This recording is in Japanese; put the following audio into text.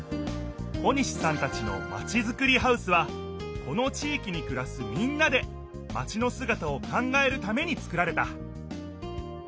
小西さんたちのまちづくりハウスはこの地いきにくらすみんなでマチのすがたを考えるためにつくられた。